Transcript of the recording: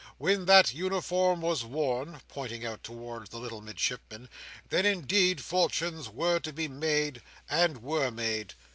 When that uniform was worn," pointing out towards the little Midshipman, "then indeed, fortunes were to be made, and were made.